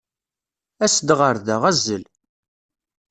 As-d ɣer da, azzel.